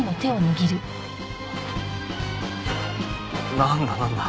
なんだなんだ？